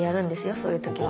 そういう時は。